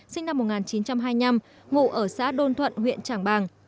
sinh năm một nghìn chín trăm hai mươi năm ngụ ở xã đôn thuận huyện trảng bàng